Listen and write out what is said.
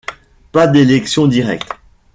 Pas d'élection directe.